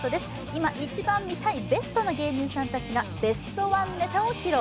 今一番見たいベストな芸人さんたちがベストワンネタを披露。